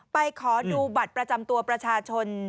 ขอดูบัตรประจำตัวประชาชน